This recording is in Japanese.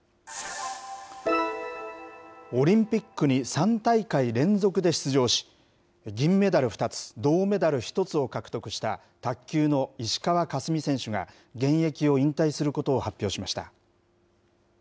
オリンピックに３大会連続で出場し、銀メダル２つ、銅メダル１つを獲得した卓球の石川佳純選手が、現役を引退することを発表しました。